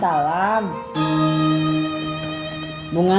ya udah dimakan lagi aja